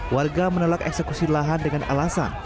warga menolak eksekusi lahan dengan alasan